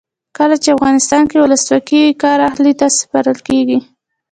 کله چې افغانستان کې ولسواکي وي کار اهل ته سپارل کیږي.